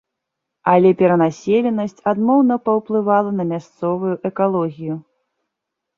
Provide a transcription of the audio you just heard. Але перанаселенасць адмоўна паўплывала на мясцовую экалогію.